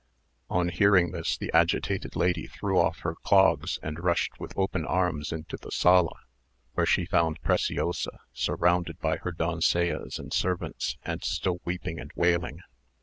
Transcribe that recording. On hearing this, the agitated lady threw off her clogs, and rushed with open arms into the sala, where she found Preciosa surrounded by her doncellas and servants, and still weeping and wailing.